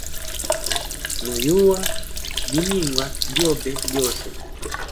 No yuwa biningwa byobe byose.